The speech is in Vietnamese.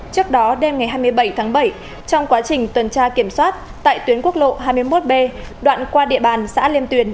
trước đó đêm ngày hai mươi bảy tháng bảy trong quá trình tuần tra kiểm soát tại tuyến quốc lộ hai mươi một b đoạn qua địa bàn xã liêm tuyền